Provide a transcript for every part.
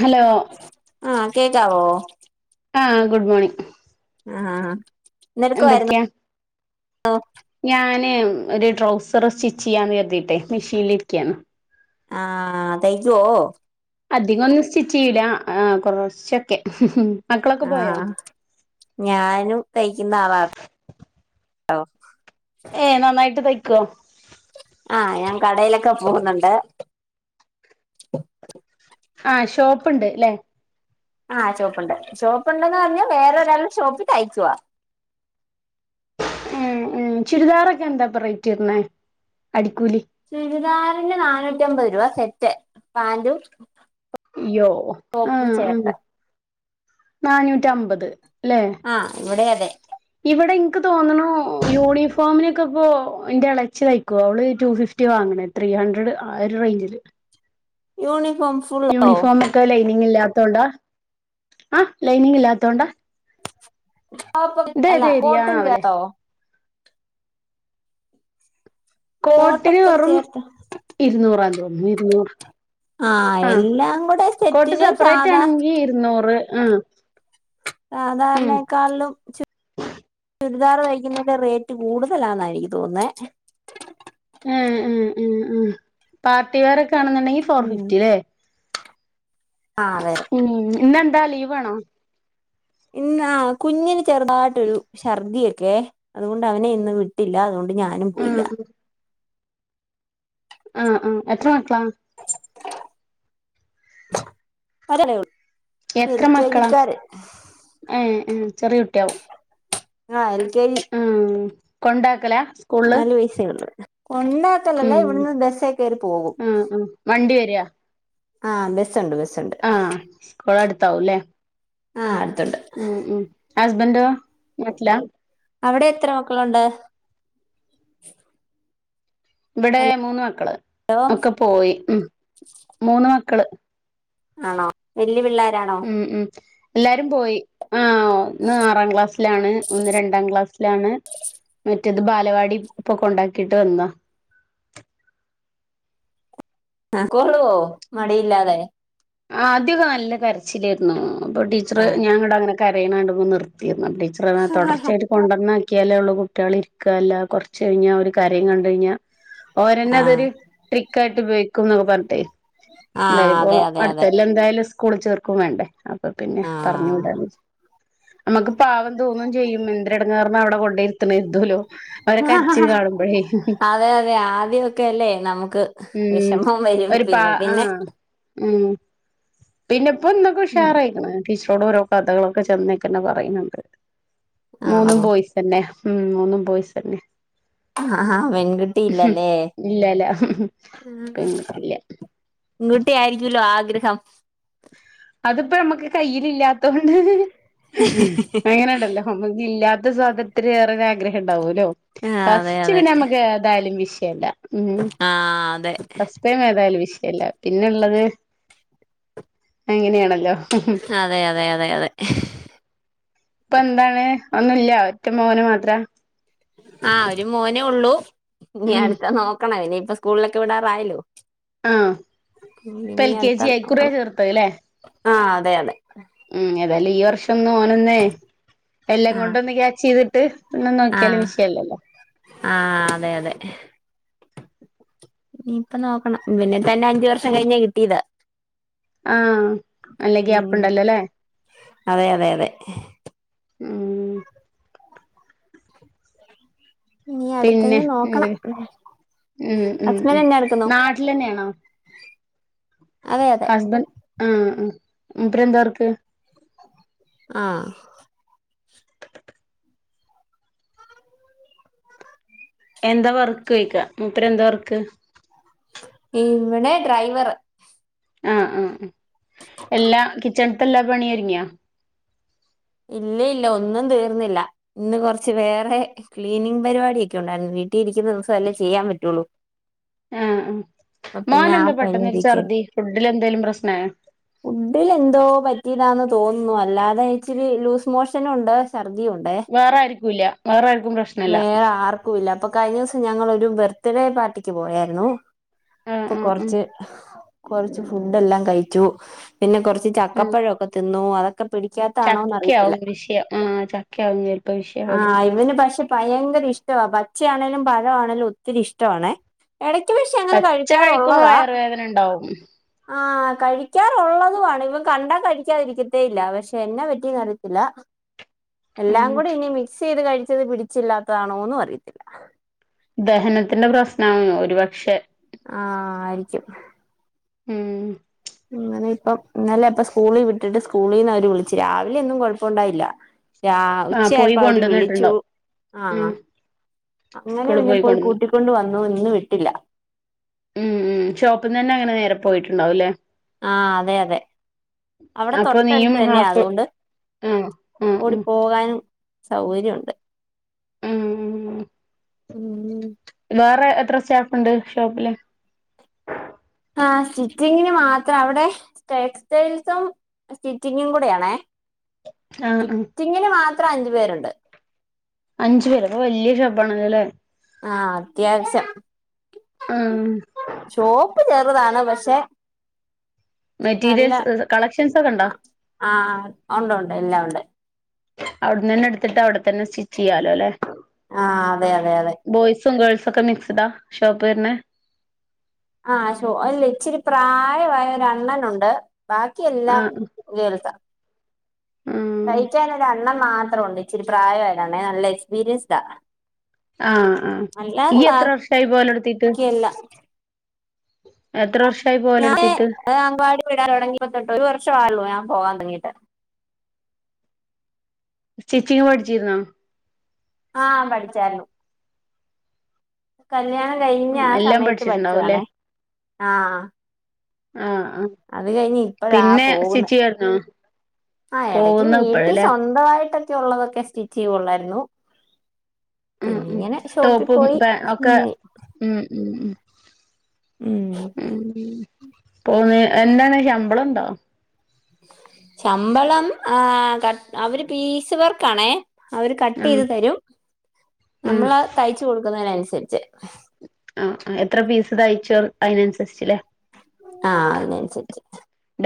Hello ആഹ് കേക്കാവോ ആഹ് ഗുഡ് മോർണിംഗ് ആഹ് എന്തട്ക്കായിരുന്നു എന്തൊക്കെയാ ഞാന് ഒരു ട്രൗസർ സ്റ്റിച്ച് ചെയ്യാന്ന് കരുതിട്ടെ മെഷീനിലിരിക്കയാണ് ആഹ് തൈജോ അധികം ഒന്ന് സ്റ്റിച്ച് ചെയ്ലാ കുറച്ചൊക്കെ ആഹ് ഞാനും തയ്ക്കുന്ന ആളാട്ടോ ഏഹ് നന്നായിട്ട് തയ്ക്കോ ആഹ് ഞാൻ കടയിലൊക്കെ പോകുന്നുണ്ട് ആഹ് ഷോപ്പ്ണ്ട്ല്ലേ ആഹ് ഷോപ്പുണ്ട് ഷോപ്പുണ്ടെന്ന് പറഞ്ഞാ വേറെ ഒരാളുടെ ഷോപ്പിൽ തയക്കുവ ഉം ഉം ചുരിദാറൊക്കെ എന്താപ്പോ റേറ്റ് വരുന്നേ അടിക്കൂലി ചുരിദാറിന് നാനൂറ്റി അമ്പത് രൂപ സെറ്റ് പാന്റും യ്യോ ടോപ്പും ആഹ് ചേർത്ത് ആഹ് നാനൂറ്റി അമ്പത് ല്ലേ ആഹ് ഇവിടെ അതെ. ഇവിടെ ഇൻക്ക് തോന്നുണു യൂണിഫോമിനൊക്കെ പ്പോ ന്റെ എളച്ചി തയ്ക്കോ അവള് ടു ഫിഫ് റ്റി വാങ്ങണേ ത്രീ ഹൺഡ്രഡ് ആ ഒരു റേഞ്ചില്. യൂണിഫോം ഫുള്ളോ യൂണിഫോമക്കെ ലൈനിങ് ഇല്ലാത്തോണ്ട ആ ലൈനിങ് ഇല്ലാത്തോണ്ട. ആപ്പ അല്ല ഏത് കോട്ട് ഇ [unintelligible] ഏരിയാണാവലെ തോ. കോട്ട്ന് കോട്ടൊക്കെ വെറും ചേർത്ത് ഇരുന്നൂറാ തോന്നുന്നു ഇരുന്നൂറ്. ആഹ് എല്ലാം കൂടെ കോട്ട് സെറ്റിന് സെപ്പറേറ്റ് സാധാ ആണെങ്കി ഇരുന്നൂറ് ആഹ്. ഉം സാദാരണെ ക്കാൾലും ചു ചുരിദാർ തൈക്കുന്നെൻ്റെ റേറ്റ് കൂടുതലാന്നായിനിക്ക് തോന്നുന്നെ. ഉം ഉം ഉം ഉം പാർട്ടി വെയറൊക്കെ ആണ്ന്നുണ്ടെങ്കി ഫോർ ഉം ഫിഫ്റ്റി ലേ ആഹ് അതെ. ഉം ഇന്നെന്താ ലീവാണോ. ഇന്ന് ആ കുഞ്ഞിന് ചെറുതായിട്ടൊരു ൾർദി ഒക്കെ അതുകൊണ്ട് അവനെ ഇന്ന് വിട്ടില്ല അതുകൊ ഞാനും പോയില. ആഹ് ആഹ് ആഹ് എത്ര മക്കള. ഒരാൾ. എത്ര മക്കളാ ഏഹ് ഏഹ് ചെറിയ കുട്ട്യാവും. ആഹ് എൽ കെ ജി. ഉം കൊണ്ടാക്കലാ. സ്കൂളില് നാലു വയസ്സ് ഒള്ളൂ കൊണ്ടാക്കലല്ല ഉം ഇവിടുന്ന് ബസ്സേ കേറി പോകും. ആഹ് ആഹ് വണ്ടി വര. ആഹ് ബസ്സുണ്ട് ബസ്സുണ്ട്. കോളട്ത്താവും ലേ. ആഹ് അട്ത്തുണ്ട്. ഉം ഉം ഹസ്ബൻഡോ നാട്ട്ലാ. അവിടെ എത്ര മക്കളുണ്ട്. വിടെ അല്ല മൂന്ന് മക്കള് ഒക്കെ പോയി ഉം മൂന്ന് മക്കള്. ആണോ വല്ല്യ പിള്ളേരാണോ. ഉം ഉം എല്ലാരും പോയി ആഹ് ഒ ന്ന് ആറാം ക്ലാസ്. ലാണ് ഒന്ന് രണ്ടാം ക്ലാസ്ലാണ് മറ്റേത് ബാലവാടി പ്പൊ കൊണ്ടാക്കിട്ട് വന്നത. ആഹ് കോളുവോ മടിയില്ലാതെ. ആദ്യൊക്ക നല്ല കര്ച്ചിലേര്ന്നു പ്പൊ ടീച്ചറ് ആഹ് ഞാങ്ങട്ടങ്ങനെ കരയണ കണ്ടപ്പോ നിർത്തിയിരുന്നു അപ്പൊ ടീച്ച റ ണ ആഹ് തൊടർച്ചയായിട്ട്. കൊണ്ടന്നാക്ക്യാലേള്ളു കുട്ട്യളിര്ക്ക അല്ലാ കൊർച്ച് കഴിഞ്ഞാ ഒരു കരയും കണ്ടഴ്ഞ്ഞാ. ഓരന്നെതൊര് ട്രിക്കായിട്ട് ഉപയോഗിക്കും ന്നൊക്കെ പർഞ്ഞിട്ടെ ആഹ് ന്തായാലു പ്പോ. അതെ അതെ അതെ എന്തായാലു സ്കൂള് ചേർക്കും വേണ്ടേ അപ്പൊ പിന്നെ പർഞ്ഞു ആഹ് വിടാന്നച്ച്. അമ്മക്ക് പാവം തോന്നും ചെയ്യും എന്തൊരു എടങ്ങാറിന അവിടെ കൊണ്ടേയ് ഇര്ത്ത്ണേര്തോലോ. അതെ അതെ ആദ്യൊക്കെ അല്ലേ നമുക്ക് ഉം വിഷമം വരും. ഒരു പാ പിന്നെ പിന്നെ ആഹ് ഉം പിന്നെപ്പ ന്നൊക്കെ ഉഷാറായിക്ക്ണ്. ടീച്ചറോടോരോ കഥകളൊക്കെ ചെന്നേക്കന്നെ പറയ്ണ് ണ്ട് മൂന്ന് ആണോ ബോയ്സ്. തന്നെ ഉം മൂന്നും ബോയിസെന്നെ. ആഹാ പെൺകുട്ടിയില്ലല്ലേ ഇല്ലല്ല ഉം. പെൺകുട്ടില്ല ങ്കുട്ടി ആയിരിക്കുല്ലോ ആഗ്രഹം. അത്പ്പ ഞമ്മക്ക് കയ്ൽ ഇല്ലാത്തൊണ്ട് അങ്ങനെണ്ടല്ലോ. നമ്മക്ക് ഇല്ലാത്ത സാധനത്തിന് വേറെരു ആഗ്രഹം ഉണ്ടാവുല്ലോ. ആ അതെ ഫസ്റ്റ് അതെ പിന്നെമ്മക്ക് ഏതായലും വിഷയല്ല ഉം ആ അതെ ഫസ് പ്പോ ഏതായാലും വിഷയമല്ല പിന്നെള്ളത്. അങ്ങനെയാണല്ലോ. അതെ അതെ അതെ അതെ. ഇപ്പന്താണ് ഒന്നുല്ല ഒറ്റ മോന് മാത്ര ആഹ് ഒര് മോനേ ഒള്ളൂ ഇനി ഉം അട്ത്ത നോക്കണം ഇനി ഇപ്പ സ്കൂളിലൊക്കെ വിടാറായല്ലോ ആഹ് ഇപ്പ എൽ കെ ജി ഇക്കുറ്യാ ചേർത്തത് ലേ ആഹ് അതെ അതെ ഉം ഏതായാലും ഈ വർഷം ഓനൊന്നേ എല്ലം ആ കൊണ്ടോന്ന് ക്യാച്ച്യ്തിട്ട് ഒന്ന് നോക്കിയാലും വിഷയല്ലല്ലോ ആഹ് അതെ അതെ ഇനിപ്പ നോക്കണം ഇവന്നെ തന്നെ അഞ്ച് വർഷം കഴിഞ്ഞ കിട്ടിയത് ആഹ് നല്ല ഉം ഗ്യാപ്ണ്ടല്ലോലേ അതെ അതെ അതെ ഉം ഇനി പിന്നെ അടുത്തതിന് നോക്കണം എന്ത്‌ ഉം ഉം ഹസ്ബൻഡ് ഉം എന്നെ എടുക്കുന്നു നാട്ടിലെന്ന്യാണോ അതെ അതെ ഹസ്ബൻഡ് ആഹ് ആഹ് മുപ്പരെന്താ വർക്ക് ആഹ് എന്താ വർക്ക്‌യിക്കാ മുപ്പരെന്താ വർക്ക് ഇവടെ ഡ്രൈവറ് ആഹ് ആഹ് ആഹ് എല്ലാ കിച്ചണ്ത്തെ എല്ലാ പണി ഒര്ങ്യോ ഇല്ല ഇല്ല ഒന്നും തീർന്നില്ല ഇന്ന് കൊറച്ച് വേറെ ക്ലീനിങ് പരിപാടിയൊക്കെ ഉണ്ടായിരുന്നു വീട്ടില് ഇരിക്ക്‌ന്ന ദിവസല്ലേ ചെയ്യാൻ പറ്റൊള്ളൂ ആഹ് ആഹ് ആ മോനെന്താ പെട്ടെന്നോര് പരിപാടിയൊക്കെ ചർദ്ധി ഫുഡിലെന്തേലും പ്രശ്നായോ ഫുഡില് എന്തോ പറ്റിയതാന്ന് തോന്നുന്നു അല്ലാതെ ഇച്ചിരി ലൂസ് മോഷനുണ്ട് ഛർദിയുണ്ട് വേറാര്ക്കുല്ല വേറെ ആര്ക്കും പ്രശ്നല്ല ക്കൂല്ലാ അപ്പൊ കഴിഞ്ഞൂസം ഞങ്ങളൊരു ബർത്ത്ഡേ പാർട്ടിക്ക് പോയായിരുന്നു ആഹ് ഇപ്പൊ ആഹ് ആഹ് കൊറച്ച് കൊറച്ച് ഫുഡെല്ലാം കഴിച്ചു പിന്നെ കൊറ് ച്ച് ചക്കപ്പഴൊക്കെ തിന്നു അതൊക്കെ പിടിക്കാ ചക്ക്യാവും വിഷയം ആഹ് ചക്ക്യാവും ചെലപ്പോ വിഷയായത് അയിമന് പക്ഷേ ഭയങ്കര ഇഷ്ട്ടവാ പച്ചയാണേലും പഴ ആണേലും ഒത്തിരി ഇഷ്ട്ടവാണെ എടയ്ക്ക് പക്ഷേ അങ്ങനെ കഴിക്കാറുള്ളതാ ഇണ്ടാവും ആഹ് കഴിക്കാറുള്ളതു ആണ് ഇവൻ കണ്ടാ കഴിക്കാതിരിക്കത്തേ ഇല്ല പക്ഷെ എന്നാ പറ്റീന്ന്റയത്തില്ല ഉം എല്ലാം കൂടി ഇനി മിക്സെയ്ത് കഴിച്ചത് പിടിച്ചില്ലാത്തതാണോന്നും അറിയത്തില്ല ദഹനത്തിന്റെ പ്രശ്നാവും ഒരുപക്ഷെ ആഹ് ആയിരിക്കും മ്മ് ഇങ്ങനെ ഇപ്പം ഇന്നലെ ഇപ്പ സ്കൂളി വിട്ടിട്ട് സ്കൂളീന്ന് അവര് വിളിച്ച് രാവിലൊന്നും കൊഴപ്പണ്ടായില്ല രാ ആഹ് പോയി ഉച്ചയായപ്പോ അവര് വിളിച്ചു കൊണ്ടന്നിട്ടുണ്ടാവും ആഹ് ഉം അങ്ങനെ സ്കൂള് പിന്നെ പോയി കൊണ്ടന്ന് കൂട്ടിക്കൊണ്ട് വന്നു ഇന്ന് വിട്ടില്ല മ്മ് മ്മ് ഷോപ്പ്ന്നന്നെ അങ്ങനെ നേരെ പോയിട്ടുണ്ടാവും ലേ ആഹ് അതെ അതെ അവടെ അപ്പൊ നീയും തൊട്ടടുത്ത്തന്നെ ഹാഫ് അത്കൊണ്ട് ആഹ് ആഹ് ഓടി ആഹ് പോകാനും സൗകര്യ ഉണ്ട് ഉം ഉം വേറെ എത്ര സ്റ്റാഫ്ണ്ട് ഷോപ്പില് ആഹ് സ്റ്റിച്ചിങ്ങിന് മാത്രം അവടെ ടെക്സ്റ്റൈൽസും സ്റ്റിച്ചിങ്ങും കൂടെയാണേ ആഹ് ആഹ് സ്റ്റിച്ചിങ്ങിന് മാത്രം അഞ്ച് പേരുണ്ട് അഞ്ചു പേരോ അപ്പം വല്ല്യ ഷോപ്പാണല്ലോലേ ആഹ് അത്യാവശ്യം ആഹ് ഷോപ്പ് ചേറ്താണ് പക്ഷേ നല്ല മെറ്റീരിയൽസ് കളക്ഷൻസ് ഒക്കെ ഉണ്ടോ ആഹ് ഒണ്ട് ഒണ്ട് എല്ലാം ഉണ്ട് അവിട്ന്നെന്നെ ഇട്ത്തിട്ട് അവിടെത്തെന്നെ സ്റ്റിച്ച് ചെയ്യാലോല്ലെ ആ അതെയതെയതെ ബോയ്സും ഗേൾസൊക്കെ മിക്സ്ഡാ ഷോപ്പ് വര്ണെ ആഹ് ശ്ശൊ അല്ല ഇച്ചിരി പ്രായവായ ഒരണ്ണനുണ്ട് ബാക്കിയെല്ലാം. ആഹ് ഗേൾസാ ആഹ് തയ്ക്കാനൊരണ്ണൻ മാത്ര ഉണ്ട്. ഇച്ചിരി പ്രായ ആയതാണേ നല്ല എക്സ്പീരിയൻസ്ഡാ ആഹ് ആഹ് ഈ എത്ര വർഷായി പോവലൊടുത്തീട്ട്. എല്ല എത്ര വർഷായി പോവലൊട്ത്തീട്ട്. അത് അങ്കവാടി വിടാൻ തൊടങ്ങിയിട്ട് ഒരുർഷമായൊള്ളൂ ഞാൻ പോവാൻ തൊടങ്ങിട്ട്. സ്റ്റിച്ചിങ്ങ് പഠിച്ചിരുന്നോ ആഹ് പഠിച്ചാര്ന്നു. കല്യാണം കഴിഞ്ഞ ആ എല്ലാം സമയത്ത് പഠിച്ചിട്ടുണ്ടാവുംല്ലേ പഠിച്ചതാണേ ആഹ്. ആഹ് ആഹ് അത് കഴിഞ്ഞ് ഇപ്പഴാ പിന്നെ സ്റ്റിച്ച് ചെയ്യാർന്നോ ആ എടയ്ക്ക് വീട്ടീ സ്വന്തമായിട്ടൊക്കെ ഉള്ളതൊക്കെ. സ്റ്റിച്ചി ഉള്ളായിരുന്നു. ഉം ഉം പിന്നെനെ ഷോപ്പി ടോപ്പും പോയി പാ ഒക്കെ [unintelligible] ഉം ഉം ഉം ഉം ഉം പോന്ന് എന്താണ് ശമ്പളം ഉണ്ടോ ശമ്പളം ആ കട്ട് അവര് പീസ് വർക്കാണേ. അവര് കട്ട് ആഹ് ചെയ്ത് തരും. ഉം നമ്മള് തയ്ച്ച് കൊടുക്കുന്നതിനനുസരിച്ച്. ആഹ് എത്ര പീസ് തയിച്ചോ അതിനൻസരിച്ച്ല്ലേ. ആഹ് അതിനൻസരിച്ച്.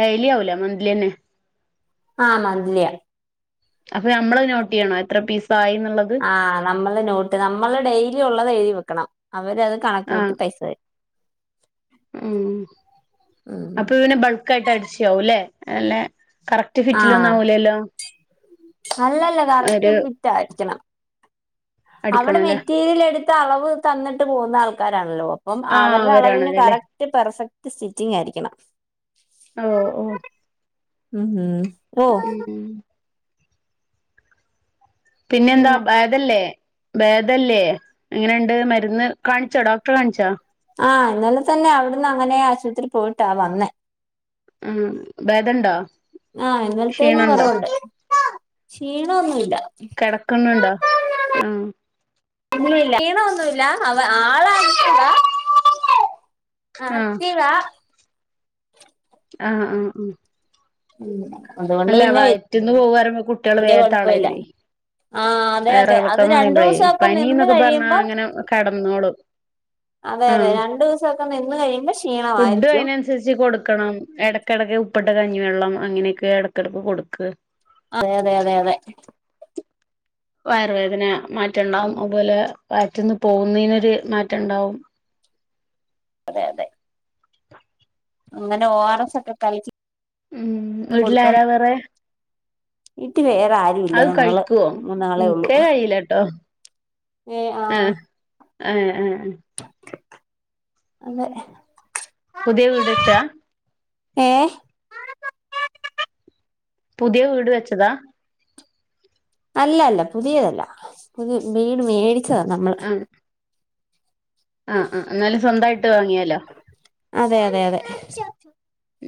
ഡെയ്ലി ആവൂല മന്ത്‌ലന്നെ ആ മന്ത്‌ലിയ അപ്പൊ ഞമ്മളത് നോട്ട് ചെയ്യണോ എത്ര പീസായിന്ന്ള്ളത്. ആഹ് നമ്മള് നോട്ട് നമ്മള് ഡെയിലി ഉള്ളത് എഴുതി വെക്കണം. അവരത് കണക്ക് ആഹ് കൂട്ടി പൈസ തരും. ഉം ഉം അപ്പൊ പിന്നെ ബൾക്ക് ആയിട്ട് അടിച്ച്യാവൂലെ അല്ലേ. കറക്റ്റ് ഫിറ്റിലൊന്നും ആവൂലല്ലോ അല്ലല്ലാ കറക്റ്റ് ഒരു ഫിറ്റായിരിക്കണം. അവടെ അടിക്കണല്ലേ മെറ്റീരിയൽ എടുത്ത് ത്തഅളവ് തന്നിട്ട് പോകുന്ന ആൾക്കാരാണല്ലോ. അപ്പം ആഹ് അവര്ടെ അളവിന് അവരാണല്ലോല്ലേ കറക്റ്റ് റ്റ് പെർഫെക്റ്റ് സ്റ്റിച്ചിങ്ങ് ആയിരിക്കണം. ഓഹ് ഓ ഉം ഉം ഓ ഉം ഉം പിന്നെ എന്താ അങ്ങനെ ഭേദല്ലേ. ഭേദല്ലേ എങ്ങനെണ്ട് മരുന്ന് കാണിച്ചോ ഡോക്ടറെ കാണിച്ചോ. ആഹ് ഇന്നലെത്തന്നെ അവിടുന്ന് അങ്ങനെ ആശുപത്രി പോയിട്ടാ വന്നെ. ഉം ഭേദണ്ടോ? ആഹ് ക്ഷീണണ്ടോ ഇന്നൽത്തേലുംക്കൊറവുണ്ട് ക്ഷീണോന്നൂല്ല കിടക്കുന്നുണ്ടോ ആഹ് ഒന്നുവില്ല ക്ഷീണോന്നുല്ല അവ ആളായിട്ടെടാ ആഹ് തീള ആഹ് ആഹ് ആഹ് ഉം അതുകൊണ്ട് അല്ല പിന്നെയ് വയറ്റിന്ന് പോവാറുമ്പോ കുട്ടികൾ വല്ല്യ വേഗം കൊഴപ്പേല്ല തളരുവേ ആഹ് അതെ അതെ അത് വയറിളക്കംന്ന് പറയുമ്പളേ രണ്ടൂസൊക്കെ നിന്ന് പനിന്നൊക്കെ പറഞ്ഞാ കഴിയുമ്പം അങ്ങനെ കടന്നോളും അതെ അതെ ആഹ് രണ്ടൂവസൊക്കെ നിന്ന് കഴിയുമ്പോ ക്ഷീണവാരി ഡും അതിനൻസരിച്ച് കൊടുക്കണം. എടയ്ക്കെടയ്ക്ക് ഉപ്പിട്ട കഞ്ഞിവെള്ളം അങ്ങനെയൊക്കെ എടയ്ക്കെടക്ക് കൊടുക്ക്. തെ തെ അതെ അതെ വയറുവേദന മാറ്റണ്ടാവും അതുപോലെ വയറ്റ്ന്ന് പോകുന്നതിനൊരു മാറ്റണ്ടാവും. അതെയതെ അങ്ങനെ ഒറസ് ഒക്കെ കലക്കി ഉം വീട്ടിലാരാ വേറെ. വീട്ടി വേറെ ആരു അത് കഴിക്കോ ൻക്കേ കഴിയിലാട്ടോ ആഹ് ഏ ഏ [inaudible] അതെ പുതിയെ വീട് വെച്ചാ ഏ പുതിയെ വീട് വെച്ചതാ? അല്ല അല്ല പുതിയതല്ല പുതിയ വീട് മേടിച്ചതാ നമ്മള്. ആഹ് ആഹ് ആഹ് ന്നാലും സ്വന്തായിട്ട് വാങ്ങിയല്ലോ. അതെ അതെ അതെ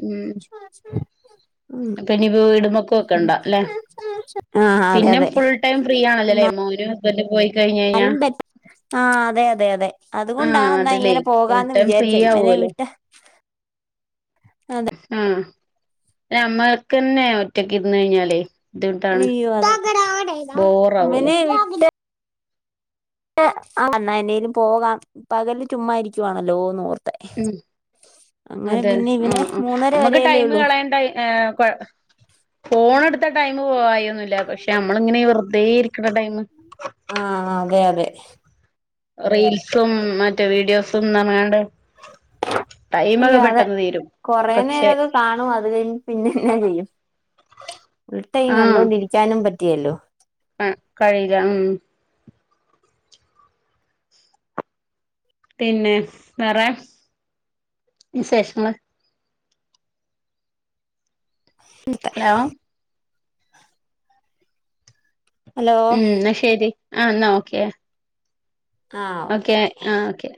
ഉം [unintelligible] മ് അപ്പൊ ഇനി വീടുമ്മക്ക് വെക്കണ്ട അല്ലെ ആഹ് അതെ പിന്നെ അതെ ഫുൾ ടൈം ഫ്രീ ആണല്ലല്ലേ മോനും ഹസ്ബെന്റും പോയി കഴിഞ്ഞ്കഴിഞ്ഞാൽ. എന്നാലും ബെറ്റ ആഹ് അതെ അതെ അതെ അതുകൊണ്ടാ ന്നാ അതല്ലേ ഇങ്ങനെ ഫുൾ പോകാന്ന് ടൈം ഫ്രീ വിചാരിച്ചെ ഇവനെ ആവുവല്ലോ വിട്ട്. അതെ ആഹ് ഞമ്മക്കന്നെ ഒറ്റക്ക് ഇര്ന്ന് കഴിഞ്ഞാലേ.. ബുദ്ധിമുട്ടാണ് വിയ്യൊ [unintelligible] ബോറാവുവല്ലോ വനെ [unintelligible] ആഹ് വന്ന എന്നേലും പോകാം പകല് ചുമ്മാരിക്കുവാണല്ലോന്നോർത്ത്. ഉം അങ്ങനെ അതെ പിന്നെ ഇവനെ ആഹ് ആഹ് മൂന്നര നമുക്ക് ടൈം വരേയല്ലേയൊള്ളൂ കളയണ്ട ഏഹ് കൊഴ ഫോൺ എടുത്ത ടൈം പോവായൊന്നില്ല പക്ഷെ നമ്മളിങ്ങനെ വെറുതെ ഇരിക്കണ ടൈമ് ആഹ് ആഹ് അതെ അതെ റീൽസും മറ്റേ വീഡിയോസും ന്ന് പറഞ് കാണ്ട് ടൈമൊക്കെ അയ്യോ അതെ പെട്ടെന്ന് തീരും കൊറേ പക്ഷെ നേരൊക്കെ കാണും അത് കഴിഞ്ഞ് പിന്നെന്നാ ചെയ്യും ഫുൾടൈം ആഹ് കണ്ടൊണ്ടിരിക്കാനും പറ്റിയേല്ലല്ലോ ആഹ് കഴിയില്ല ഉം പിന്നെ വേറെ വിശേഷങ്ങൾ? നത്താ ഹലോ ഹലോ ഉം എന്ന ശരി ആ എന്നാ ഓക്കെ ഓക്കെ ആ ഓക്കെ